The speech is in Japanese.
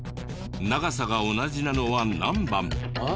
長さが同じなのは何番？